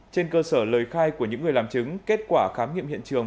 trên cơ sở lời khai của những người làm chứng kết quả khám nghiệm hiện trường